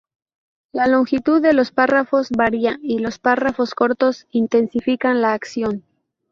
La longitud de los párrafos varía, y los párrafos cortos intensifican la acción.